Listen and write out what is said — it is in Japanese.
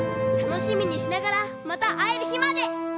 たのしみにしながらまたあえるひまで！